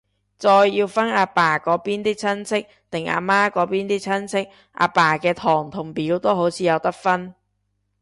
再要分係阿爸嗰邊啲親戚，定阿媽嗰邊啲親戚，阿爸嘅堂同表都好似有得分